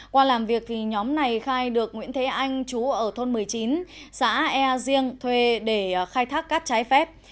qua làm việc nhóm này khai được nguyễn thế anh chú ở thôn một mươi chín xã e riêng thuê để khai thác cát trái phép